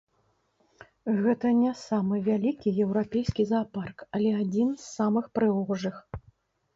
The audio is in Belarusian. Гэта не самы вялікі еўрапейскі заапарк, але адзін з самых прыгожых.